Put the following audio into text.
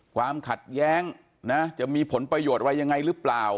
ความขัดแย้งนะจะมีผลประโยชน์อะไรยังไงหรือเปล่า